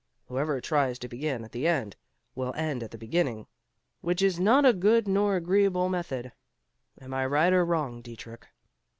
Whoever tries to begin at the end, will end at the beginning; which is not a good nor an agreeable method. Am I right or wrong, Dietrich?"